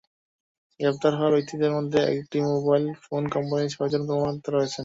গ্রেপ্তার হওয়া ব্যক্তিদের মধ্যে একটি মোবাইল ফোন কোম্পানির ছয়জন কর্মকর্তা রয়েছেন।